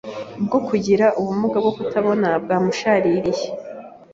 bwo kugira ubumuga bwo kutabona bwamushaririye